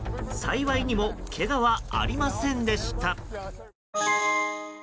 幸いにもけがはありませんでした。